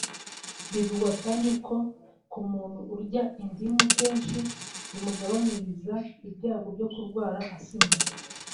Bivugwa kandi ko ku muntu urya indimu kenshi bimugabaniriza ibyago byo kurwara asima